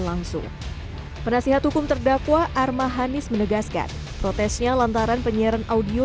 langsung penasihat hukum terdakwa armah hanis menegaskan protesnya lantaran penyiaran audio